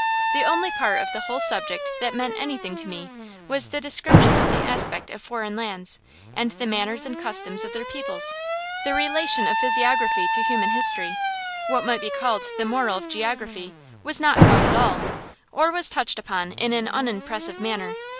The only part of the whole subject that meant anything to me was the description of the aspect of foreign lands, and the manners and customs of their peoples. The relation of physiography to human history what might be called the moral of geography was not taught at all, or was touched upon in an unimpressive manner.